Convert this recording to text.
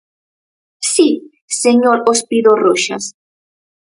¿Si, señor Ospido Roxas?